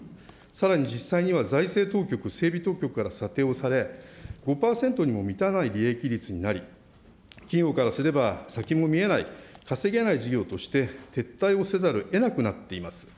さらに実際には財政当局、整備当局から査定をされ、５％にも満たない利益率になり、企業からすれば先も見えない、稼げない事業として撤退をせざるをえなくなっています。